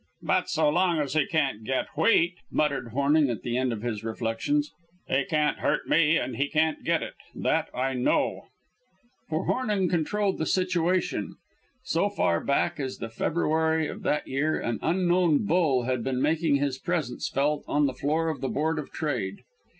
"But so long as he can't get wheat," muttered Hornung at the end of his reflections, "he can't hurt me. And he can't get it. That I know." For Hornung controlled the situation. So far back as the February of that year an "unknown bull" had been making his presence felt on the floor of the Board of Trade.